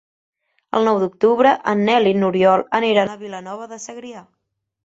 El nou d'octubre en Nel i n'Oriol aniran a Vilanova de Segrià.